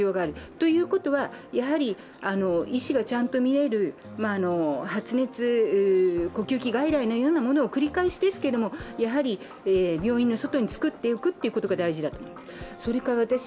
ということは、医師がちゃんと見える発熱、呼吸器外来のようなものを病院の外に作っていくことが大事だと思います。